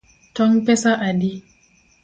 Tong’ pesa adi?